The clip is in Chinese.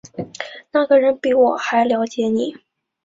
那个人比我还瞭解我